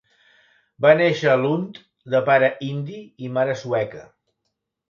Va néixer a Lund de pare indi i mare sueca.